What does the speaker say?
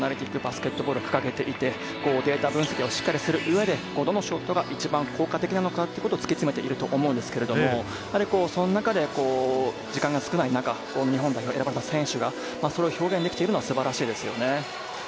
ホーバスＨＣはそういったバスケットを掲げていて、データ分析をする中でどのショットが一番効果的なのかを突き詰めていると思うんですけど、その中で、時間が少ない中、日本代表に選ばれた選手がそれを表現できているのは素晴らしいですよね。